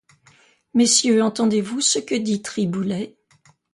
Messieurs, entendez-vous ce que dit Triboulet ?